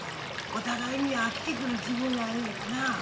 お互いに飽きてくる時分やいうてな。